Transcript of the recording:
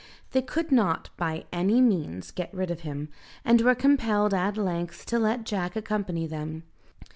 They could not, by any means, get rid of him, and were compelled at length to let Jack accompany them.